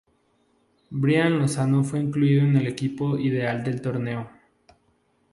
Brian Lozano fue incluido en el equipo ideal del torneo.